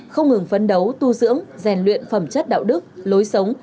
không ngừng phấn đấu tu dưỡng rèn luyện phẩm chất đạo đức lối sống